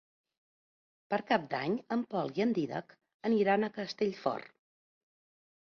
Per Cap d'Any en Pol i en Dídac aniran a Castellfort.